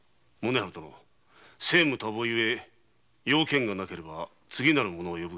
政務多忙ゆえ用件がなければ次なる者を呼ぶがよいか？